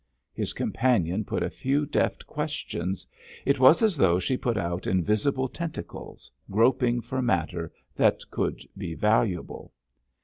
His companion put a few deft questions; it was as though she put out invisible tentacles, groping for matter that could be valuable.